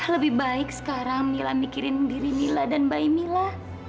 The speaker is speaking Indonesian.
lebih baik sekarang mila mikirin diri mila dan mbak mila